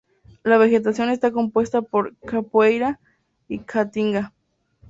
La vegetación está compuesta por capoeira y caatinga.